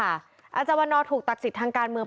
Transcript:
อาจารย์วันนอถูกตัดสิทธิ์ทางการเมือง